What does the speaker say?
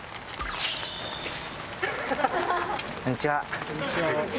こんにちは。